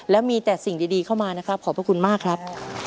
และมีแต่สิ่งดีเข้ามานะครับขอบพระคุณมากครับ